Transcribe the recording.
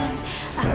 aku mau pulang